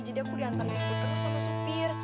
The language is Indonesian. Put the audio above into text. jadi aku diantar jemput terus sama supir